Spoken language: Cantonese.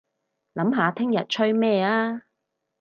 諗下聽日吹咩吖